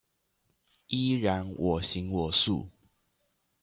依然我行我素